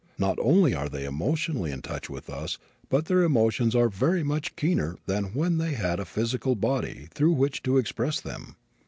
Not only are they emotionally in touch with us but their emotions are very much keener than when they had a physical body through which to express them.